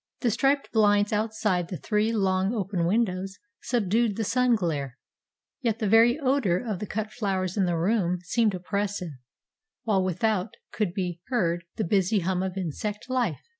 The striped blinds outside the three long, open windows subdued the sun glare, yet the very odour of the cut flowers in the room seemed oppressive, while without could be heard the busy hum of insect life.